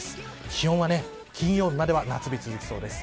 気温は金曜日までは夏日が続きそうです。